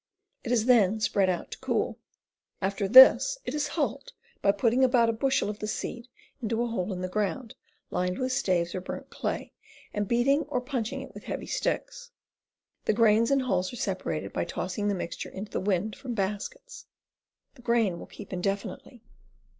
It is then spread out to cool. After this it is hulled by putting about a bushel of the seed into a hole in the ground, lined with staves or burnt clay, and beat ing or punching it with heavy sticks. The grains and hulls are separated by tossing the mixture into the wind from baskets. The grain will keep indefinitely.